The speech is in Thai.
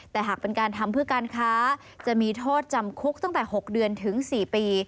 แต่หากเป็นการทำเพื่อการค้าจะมีโทษจำคุกตั้งแต่๖เดือนถึง๔ปี